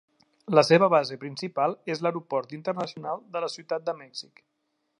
La seva base principal és l'aeroport internacional de la ciutat de Mèxic.